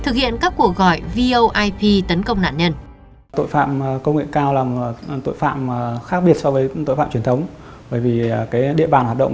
thực hiện các cuộc gọi voip tấn công nạn nhân